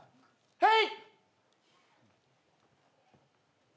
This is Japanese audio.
はい。